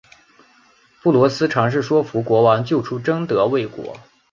布罗斯尝试说服国王救出贞德未果。